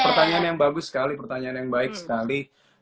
pertanyaan yang bagus sekali pertanyaan yang baik sekali